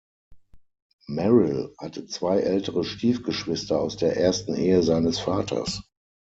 Merrill hatte zwei ältere Stiefgeschwister aus der ersten Ehe seines Vaters.